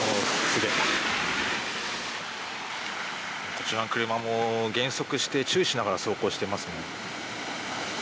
こちらの車も減速して注意しながら走行していますね。